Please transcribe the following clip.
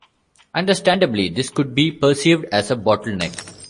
Understandably, this could be perceived as a bottleneck.